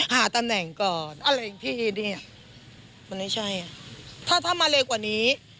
หาตำแหน่งก่อนอะไรที่ดีอ่ะมันไม่ใช่อ่ะถ้าถ้ามาเร็วกว่านี้